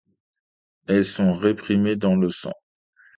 Elles sont réprimées dans le sang.